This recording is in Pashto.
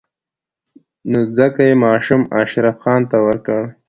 نو ځکه يې ماشوم اشرف خان ته ورکړ.